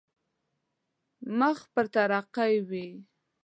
مخ پر ترقي وي.